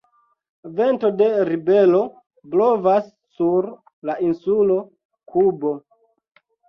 Vento de ribelo blovas sur la insulo Kubo.